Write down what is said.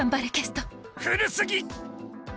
古すぎ！